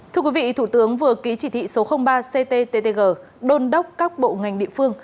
thưa quý vị thủ tướng vừa ký chỉ thị số ba cttg đôn đốc các bộ ngành địa phương